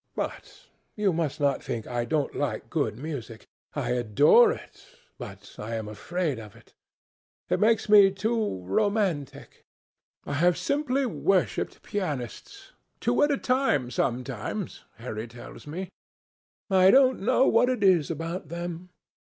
But you must not think I don't like good music. I adore it, but I am afraid of it. It makes me too romantic. I have simply worshipped pianists—two at a time, sometimes, Harry tells me. I don't know what it is about them.